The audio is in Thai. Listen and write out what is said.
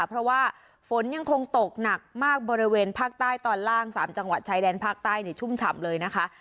เพราะว่าฝนยังคงตกหนักมากบริเวณภาคใต้ตอนล่าง๓จังหวัดชายแดนภาคใต้ชุ่มฉ่ำเลยนะคะ